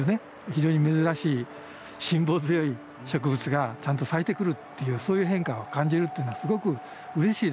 非常に珍しい辛抱強い植物がちゃんと咲いてくるっていうそういう変化を感じるっていうのはすごくうれしいですよね。